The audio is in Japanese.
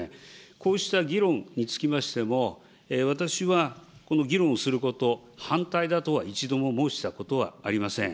こうした議論につきましても、私は、この議論すること、反対だとは一度も申したことはありません。